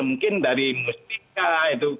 mungkin dari muslimika itu